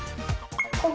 ここ？